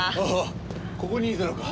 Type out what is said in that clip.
ここにいたのか。